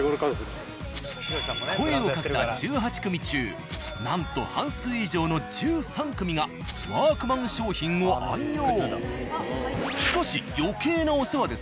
声をかけた１８組中なんと半数以上の１３組が「ワークマン」商品を愛用。